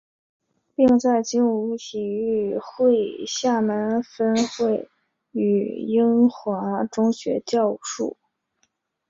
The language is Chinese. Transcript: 并在精武体育会厦门分会与英华中学教武术。